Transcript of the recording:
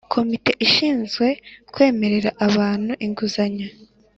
komite ishinzwe kwemerera abantu inguzanyo